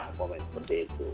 mungkin seperti itu